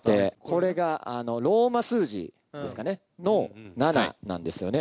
これがローマ数字ですかね、の７なんですよね。